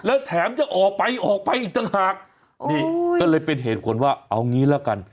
แล้วแถมจะออกไปออกไปอีกต่างหากนี่ก็เลยเป็นเหตุผลว่าเอางี้ละกัน